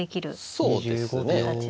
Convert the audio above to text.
そうですね。